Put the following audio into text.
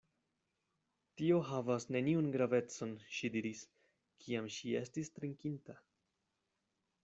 Tio havas neniun gravecon, ŝi diris, kiam ŝi estis trinkinta.